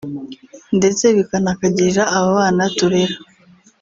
ndetse bikanakagirira aba bana turera"